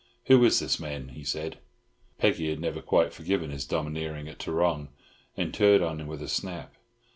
"Who is this man?" he said. Peggy had never quite forgiven his domineering at Tarrong, and turned on him with a snap.